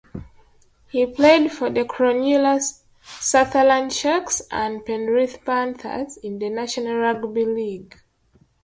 He played for the Cronulla-Sutherland Sharks and Penrith Panthers in the National Rugby League.